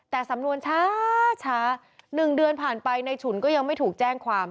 แต่สำนวนช้า๑เดือนผ่านไปในฉุนก็ยังไม่ถูกแจ้งความ